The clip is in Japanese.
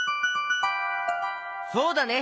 そうだね！